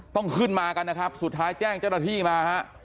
ต้องขึ้นมากันนะครับสุดท้ายแจ้งเจ้าหน้าที่มาฮะ